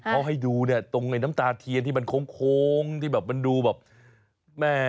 เขาให้ดูเนี่ยตรงไอ้น้ำตาเทียนที่มันโค้งที่แบบมันดูแบบแม่